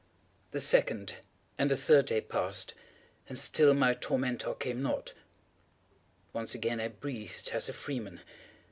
The second and the third day passed, and still my tormentor came not. Once again I breathed as a freeman.